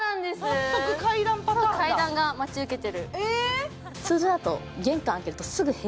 階段が待ち受けてる。